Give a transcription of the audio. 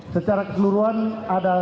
secara keseluruhan ada tujuh